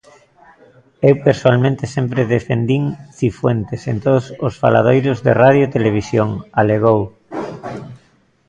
"Eu persoalmente sempre defendín Cifuentes en todos os faladoiros de radio e televisión", alegou.